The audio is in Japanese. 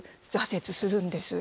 挫折するんです。